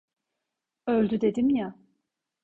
Öldü dedim ya…